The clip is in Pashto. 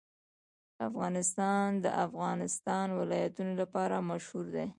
افغانستان د د افغانستان ولايتونه لپاره مشهور دی.